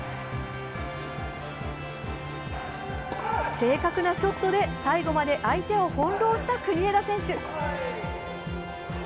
正確なショットで最後まで相手を翻弄した国枝選手。